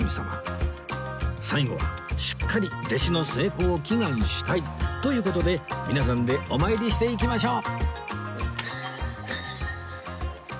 最後はしっかり弟子の成功を祈願したい！という事で皆さんでお参りしていきましょう